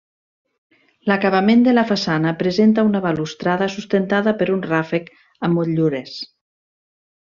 L'acabament de la façana presenta una balustrada sustentada per un ràfec amb motllures.